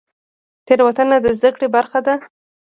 تیروتنه د زده کړې برخه ده؟